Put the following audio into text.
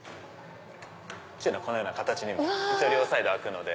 このような形にも両サイド開くので。